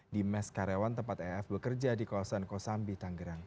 di mes karyawan tempat ef bekerja di kawasan kosambi tanggerang